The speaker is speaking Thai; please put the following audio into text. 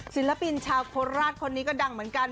ศิลปินชาวโคราชคนนี้ก็ดังเหมือนกัน